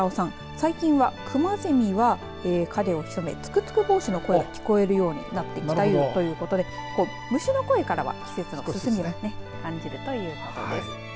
最近はクマゼミは影を潜め、ツクツクボウシの声が聞こえるようになってきたということで虫の声から季節が進むと感じるそうです。